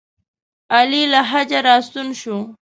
علي له حجه راستون شو.